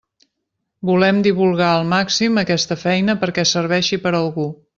Volem divulgar al màxim aquesta feina perquè serveixi per a algú.